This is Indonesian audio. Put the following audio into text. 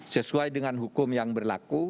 sesuai dengan hukum yang berlaku